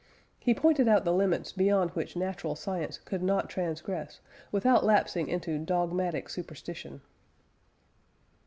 He pointed out the limits beyond which natural science could not transgress without lapsing into "dogmatic superstition."